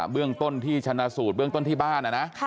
เรื่องต้นที่ชนะสูตรเบื้องต้นที่บ้านนะ